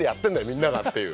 みんなが！っていう。